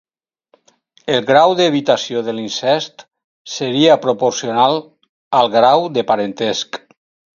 El grau d'evitació de l'incest seria proporcional al grau de parentesc.